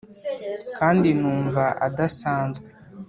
kandi numva adasanzwe,